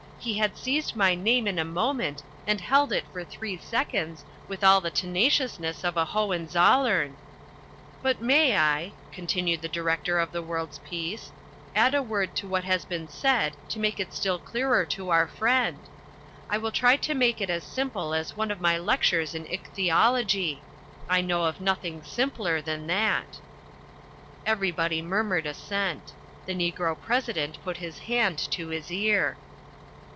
He had seized my name in a moment and held it for three seconds with all the tenaciousness of a Hohenzollern. "But may I," continued the Director of the World's Peace, "add a word to what has been said to make it still clearer to our friend? I will try to make it as simple as one of my lectures in Ichthyology. I know of nothing simpler than that." Everybody murmured assent. The Negro President put his hand to his ear.